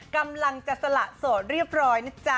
กำลังจะสละโสดเรียบร้อยนะจ๊ะ